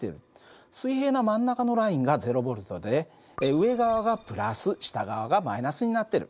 水平な真ん中のラインが０Ｖで上側がプラス下側がマイナスになってる。